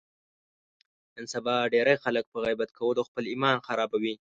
نن سبا ډېری خلک په غیبت کولو خپل ایمان خرابوي.